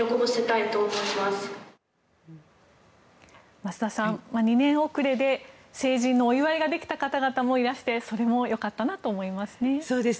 増田さん、２年遅れで成人のお祝いができた方もいらしてそれもよかったなと思いますね。